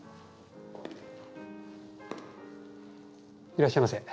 いらっしゃいませ。